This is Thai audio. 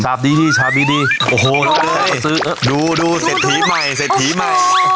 ฉาบดีดีฉาบดีดีโอ้โหดูดูเสร็จผีใหม่เสร็จผีใหม่